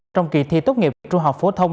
trong kỳ thi tốt nghiệp trung học phổ thông